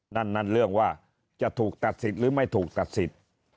นั่นเรื่องว่าจะถูกตัดสิทธิ์หรือไม่ถูกตัดสิทธิ์